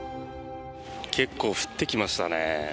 結構、降ってきましたね。